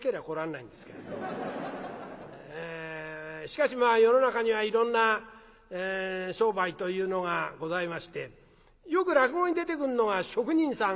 しかしまあ世の中にはいろんな商売というのがございましてよく落語に出てくるのが職人さん。